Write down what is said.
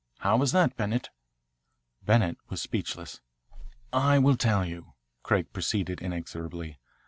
How was that, Bennett?" Bennett was speechless. "I will tell you," Craig proceeded inexorably.